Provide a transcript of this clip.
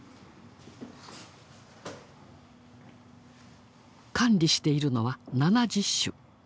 管理しているのは７０種。